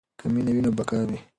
که مینه وي نو بقا وي.